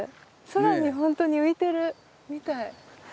空に本当に浮いてるみたい。